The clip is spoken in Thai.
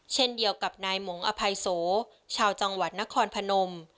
เช่นเดียวกับนายหมงอภัยโสชาวจังหวัดนครพนม